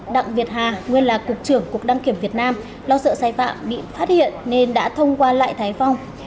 đặng việt hà nguyên là cục trưởng cục đăng kiểm việt nam lo sợ sai phạm bị phát hiện nên đã thông qua lại thái phong